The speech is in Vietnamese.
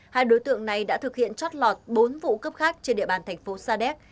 hai đối tượng này đã thực hiện chót lọt bốn vụ cướp khác trên địa bàn thành phố sa đéc